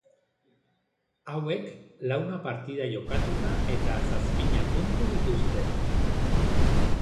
Hauek launa partida jokatuta eta zazpina puntu dituzte.